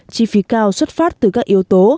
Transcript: chi phí cao xuất phát từ các yếu tố